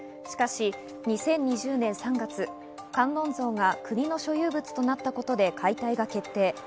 しかし２０２０年３月、観音像が国の所有物となったことで解体が決定。